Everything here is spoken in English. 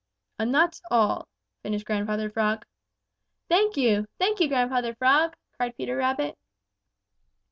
"And that's all," finished Grandfather Frog. "Thank you! Thank you, Grandfather Frog!" cried Peter Rabbit.